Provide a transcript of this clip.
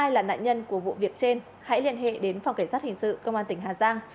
hai là nạn nhân của vụ việc trên hãy liên hệ đến phòng cảnh sát hình sự công an tỉnh hà giang